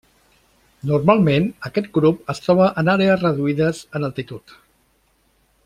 Normalment aquest grup es troba en àrees reduïdes en altitud.